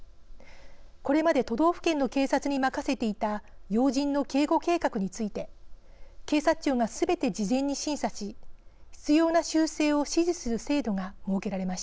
これまで都道府県の警察に任せていた要人の警護計画について警察庁がすべて事前に審査し必要な修正を指示する制度が設けられました。